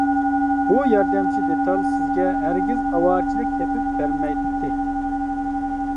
بۇ ياردەمچى دېتال سىزگە ھەرگىز ئاۋارىچىلىك تېپىپ بەرمەيتتى!